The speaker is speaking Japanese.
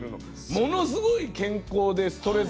ものすごい健康でストレス